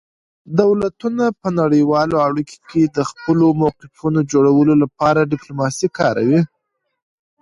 دولتونه په نړیوالو اړیکو کې د خپلو موقفونو جوړولو لپاره ډیپلوماسي کاروي